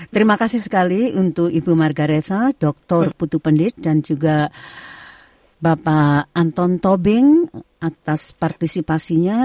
terima kasih sekali untuk ibu margaresa dr putu pendit dan juga bapak anton tobing atas partisipasinya